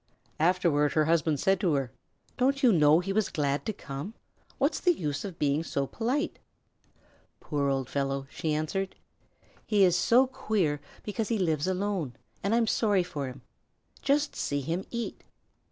Afterward her husband said to her, "Don't you know he was glad to come? What's the use of being so polite?" "Poor old fellow," she answered. "He is so queer because he lives alone, and I'm sorry for him. Just see him eat."